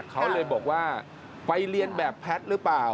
เขาเลยบอกว่าไปเรียนแบบแพทย์หรือเปล่า